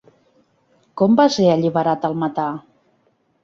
Com va ser alliberat el metà?